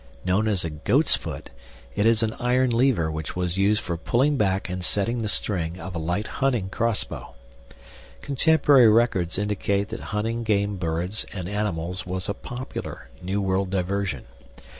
Known as a "goat's foot," it is an iron lever which was used for pulling back and setting the string of a light hunting crossbow. Contemporary records indicate that hunting game birds and animals was a popular New World diversion.